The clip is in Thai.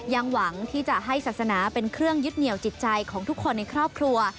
ยังหวังที่จะให้ศาสนาเป็นเครื่องยึดเหนียวจิตใจของทุกคนในครอบครัว